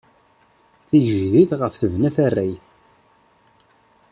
Tigejdit ɣef tebna tarrayt.